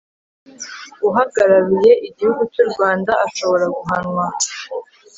uhagararuye igihugu cy u rwanda ashobora guhanwa